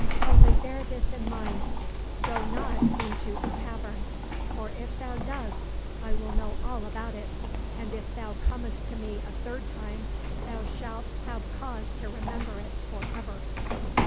Only bear this in mind : go not into a tavern, for if thou dost, I shall know all about it ; and if thou comest to me a third time, thou shalt have cause to remember it for ever."